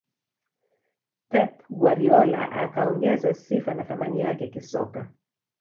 pep guardiola akaongeza sifa na thamani yake kisoka